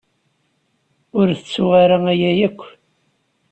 Ur tettuɣ ara aya akk.